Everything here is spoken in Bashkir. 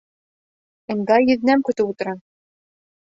Унда еҙнәм көтөп ултыра.